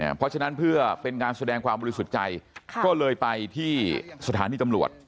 เพราะฉะนั้นเพื่อเป็นการแสดงความบริสุทธิ์ใจก็เลยไปที่สถานีตำรวจ